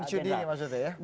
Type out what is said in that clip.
pen judulnya maksudnya ya